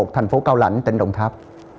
thành phố cao lạnh tỉnh đồng tháp